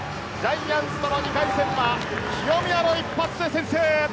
ジャイアンツとの２回戦は清宮の一発で先制！